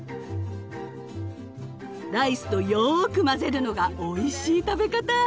ライスとよく混ぜるのがおいしい食べ方。